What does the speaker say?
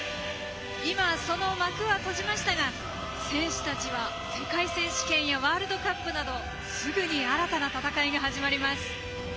今、その幕は閉じましたが選手たちは世界選手権やワールドカップなどすぐに新たな戦いが始まります。